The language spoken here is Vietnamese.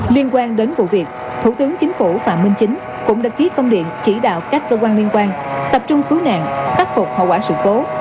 liên quan đến vụ việc thủ tướng chính phủ phạm minh chính cũng đã ký công điện chỉ đạo các cơ quan liên quan tập trung cứu nạn khắc phục hậu quả sự cố